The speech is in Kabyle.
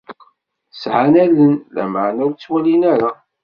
Sɛan allen, lameɛna ur ttwalin ara.